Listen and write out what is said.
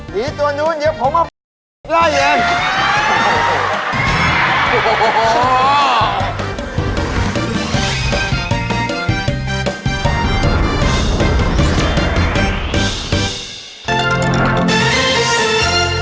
ผิดตัวนู้นเดี๋ยวผมเอาล่ะเอง